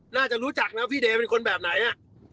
น่าจะรู้จักนะพี่เดย์เป็นคนแบบไหนอ่ะ